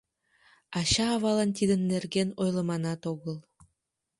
Ача-авалан тидын нерген ойлыманат огыл.